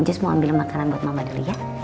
jus mau ambilin makanan buat mama dulu ya